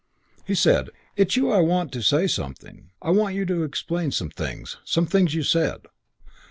He said, "It's you I want to say something. I want you to explain some things. Some things you said.